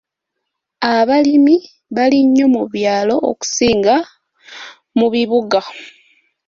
Abalimi bali nnyo mu byalo okusinga mu bibuga.